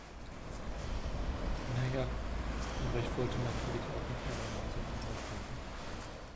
Na ja, aber ich wollte natürlich auch nicht alle naselang Halt machen.